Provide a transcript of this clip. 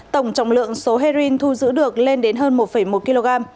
tổng trọng lượng số heroin thu giữ được lên đến hơn một một kg